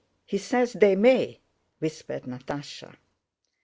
He says they may!" whispered Natásha.